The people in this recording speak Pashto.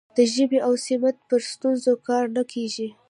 د ژبې او سمت پر ستونزو کار نه کیږي.